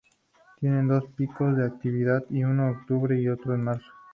Tiene dos picos de actividad, uno en octubre y otro en marzo.